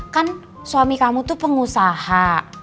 kan suami kamu tuh pengusaha